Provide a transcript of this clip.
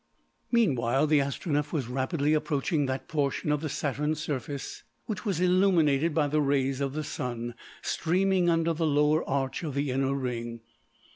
Meanwhile the Astronef was rapidly approaching that portion of Saturn's surface which was illuminated by the rays of the Sun, streaming under the lower arch of the inner ring.